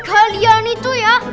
kalian itu ya